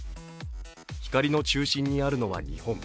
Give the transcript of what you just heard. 光の中心にあるのは日本。